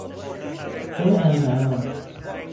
جای امن و امان